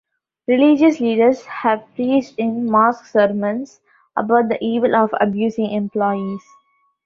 Religious leaders have preached in mosques sermons about the evil of abusing employees.